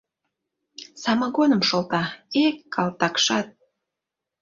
Самогоным шолта, Эк, калтакшат!